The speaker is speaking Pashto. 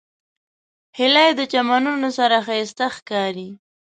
هیلۍ د چمنونو سره ښایسته ښکاري